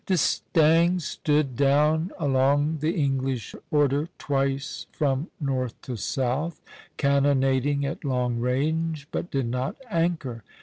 D'Estaing stood down along the English order twice from north to south, cannonading at long range, but did not anchor.